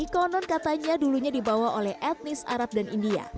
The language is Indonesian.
konon katanya dulunya dibawa oleh etnis arab dan india